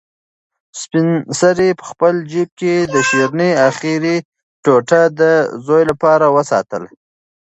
سپین سرې په خپل جېب کې د شیرني اخري ټوټه د زوی لپاره وساتله.